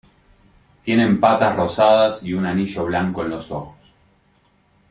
Tienen patas rosadas y un anillo blanco en los ojos.